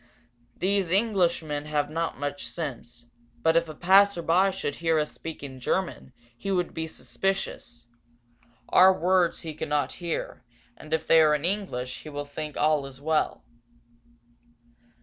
"These English people have not much sense, but if a passerby should hear us speaking German, he would be suspicious. Our words he cannot hear and if they are in English he will think all is well."